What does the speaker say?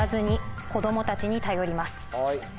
はい。